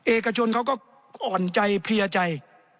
เอกชนเขาก็อ่อนใจเพลียใจ